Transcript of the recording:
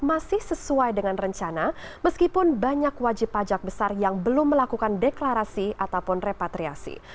masih sesuai dengan rencana meskipun banyak wajib pajak besar yang belum melakukan deklarasi ataupun repatriasi